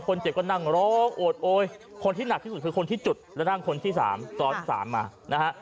คนเจ็บก็นั่งร้องโอดโอยคนที่หนักที่สุดคือคนที่จุดและนั่งคนที่สามซ้อนสามมานะฮะ